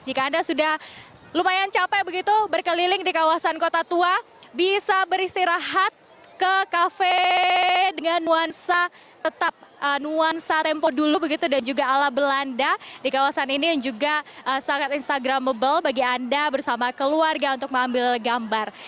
jika anda sudah lumayan capek begitu berkeliling di kawasan kota tua bisa beristirahat ke kafe dengan nuansa tetap nuansa tempo dulu begitu dan juga ala belanda di kawasan ini yang juga sangat instagramable bagi anda bersama keluarga untuk mengambil gambar